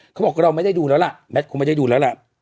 เขาบอกเราไม่ได้ดูแล้วล่ะแมทคงไม่ได้ดูแล้วล่ะ